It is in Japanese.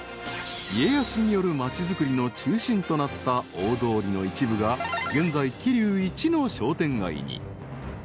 ［家康による町づくりの中心となった大通りの一部が現在桐生一の商店街に］